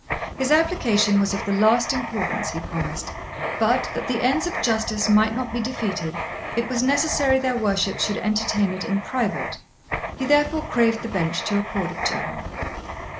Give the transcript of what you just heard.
His application was of the last importance, he promised, but, that the ends of justice might not be defeated it was necessary their worships should entertain it in private; he therefore craved the bench to accord it to him.